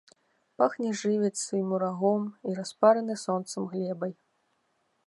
Пахне жывіцай, мурагом і распаранай сонцам глебай.